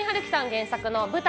原作舞台